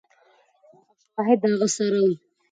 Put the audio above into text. او شواهد د هغه سره ؤ